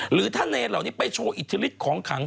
หรือถ้าเลนเหล่านี้ไปโชว์อิทธิฤทธิของขัง